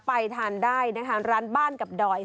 ไปทานได้นะคะร้านบ้านกับดอย